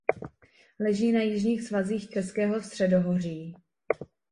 Leží na jižních svazích Českého středohoří.